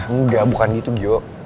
enggak bukan gitu gio